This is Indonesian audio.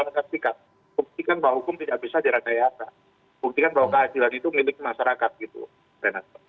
buktikan bahwa keajilan itu milik masyarakat gitu